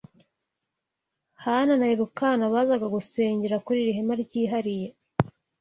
Hana na Elukana bazaga gusengera kuri iri hema ryihariye